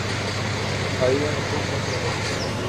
Ahí anotó cuatro goles.